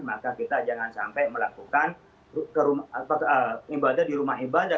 maka kita jangan sampai melakukan ibadah di rumah ibadah